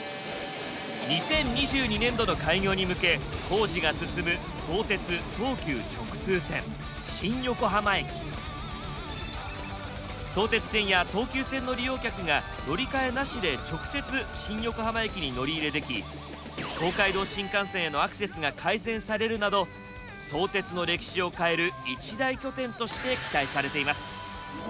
２０２２年度の開業に向け工事が進む相鉄線や東急線の利用客が乗り換えなしで直接新横浜駅に乗り入れでき東海道新幹線へのアクセスが改善されるなど相鉄の歴史を変える一大拠点として期待されています。